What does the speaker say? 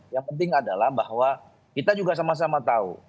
yang penting adalah bahwa kita juga sama sama tahu